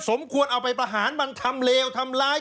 สมควรเอาไปประหารมันทำเลวทำร้าย